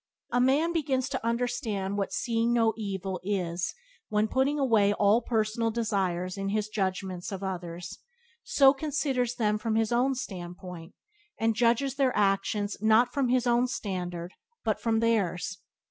A man begins to understand what "seeing no evil" is when, putting away all personal desires in his judgments of others, he considers them from their own standpoint, and judges their actions not from his own standard but from theirs.